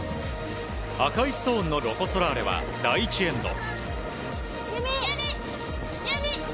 赤いストーンのロコ・ソラーレは第１エンド。